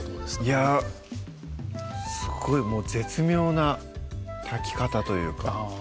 いやすごい絶妙な炊き方というかあぁ